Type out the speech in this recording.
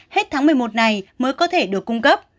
hết tháng một mươi một này mới có thể được cung cấp